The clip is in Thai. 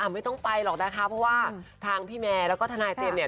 ไม่ต้องไปหรอกนะคะเพราะว่าทางพี่แมร์แล้วก็ทนายเตรียมเนี่ย